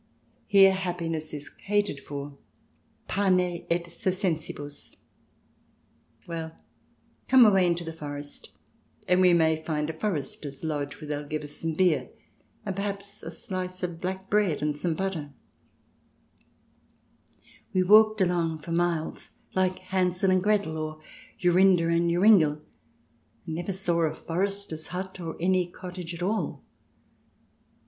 Here happiness is catered for, pane et circensibus. Weli, come away into the forest, and we may find a 6o THE DESIRABLE ALIEN [ch. v forester's lodge where they'll give us beer, and perhaps a slice of black bread and some butter. ..." We walked along for miles, like Hansel and Gretel, or Jorinde and Joringel, and never saw a forester's hut, or any cottage at all.